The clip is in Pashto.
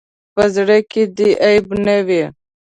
په زړۀ کې دې عیب نه وي.